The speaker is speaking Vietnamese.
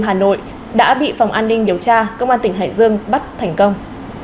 hà nội đã bị phòng an ninh điều tra công an tỉnh hải dương bắt thành công